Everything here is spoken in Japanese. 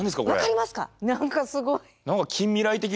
何かすごい。